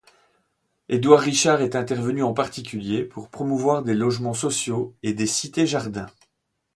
Édouard Richard est intervenu en particulier pour promouvoir des logements sociaux et des cités-jardins.